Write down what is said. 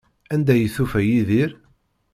Anda ay tufa Yidir?